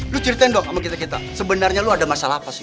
lu ceritain dong sama kita kita sebenarnya lo ada masalah apa sih